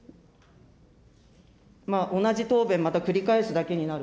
同じ答弁、また繰り返すだけになる。